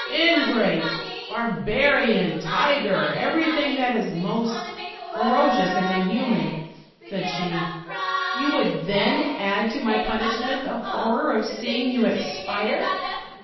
'Ingrate! barbarian! tiger! everything that is most fero cious and inhuman!' said she; 'you would then add to my punishment the horror of seeing you expire?